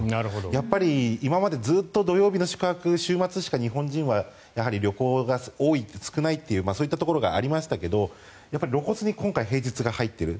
やっぱり今までずっと土曜日の宿泊週末しか、日本人はやはり旅行が多い、少ないということがそういったところがありましたが露骨に今回、平日が入っている。